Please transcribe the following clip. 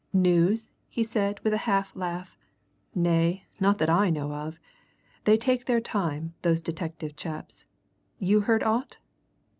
"News?" he said, with a half laugh. "Nay, not that I know of. They take their time, those detective chaps. You heard aught?"